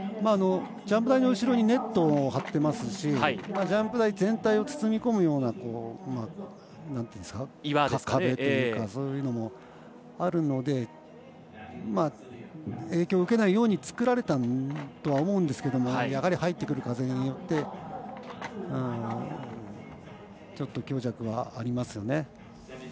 ジャンプ台の後ろにネットを張っていますしジャンプ台全体を包み込むような壁というかそういうのもあるので影響を受けないように造られたとは思うんですけどやはり、入ってくる風によってちょっと強弱がありますね。